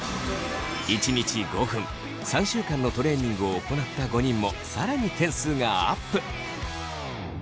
１日５分３週間のトレーニングを行った５人も更に点数がアップ。